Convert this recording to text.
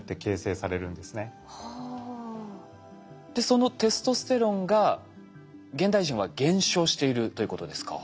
そのテストステロンが現代人は減少しているということですか？